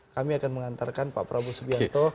kami akan mengantarkan pak prabowo subianto